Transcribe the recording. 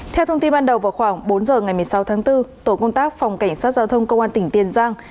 theo thông tin ban đầu vào khoảng bốn giờ ngày một mươi sáu tháng bốn tổ công tác phòng cảnh sát giao thông công an tỉnh tiền giang